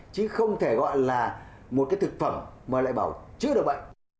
chứ không thể gọi là một thực phẩm mà lại bảo vệ sức khỏe